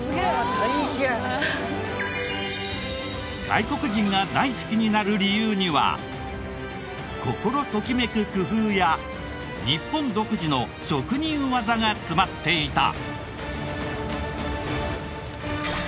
外国人が大好きになる理由には心ときめく工夫や日本独自の職人技が詰まっていた。